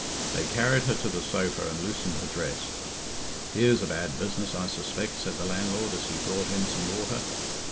They carried her to the sofa and loosened her dress. "Here's a bad business, I suspect," said the landlord, as he brought in some water.